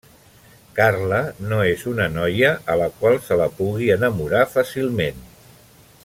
Carla no és una noia a la qual se la pugui enamorar fàcilment.